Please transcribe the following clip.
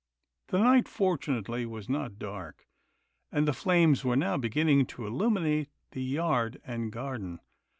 The night fortunately was not dark, and the flames were now beginning to illuminate the yard and garden.